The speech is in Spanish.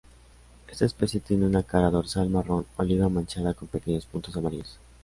Esta especie tiene una cara dorsal marrón oliva manchada con pequeños puntos amarillos.